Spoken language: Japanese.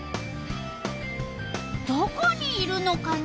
どこにいるのかな？